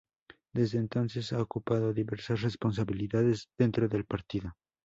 Desde entonces, ha ocupado diversas responsabilidades dentro del partido.